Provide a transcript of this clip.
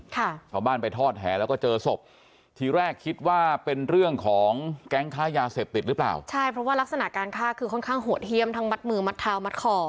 ชาวบ้านไปทอดแห่แล้วก็เจอศพทีแรกคิดว่าเป็นเรื่องของแก๊งค้ายาเสพติดหรือเปล่าใช่เพราะว่ารักษณะการฆ่าคือค่อนข้างโหดเยี่ยมทั้งมัดมือมัดเท้ามัดคอ